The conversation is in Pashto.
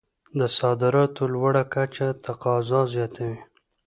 د صادراتو لوړه کچه تقاضا زیاتوي.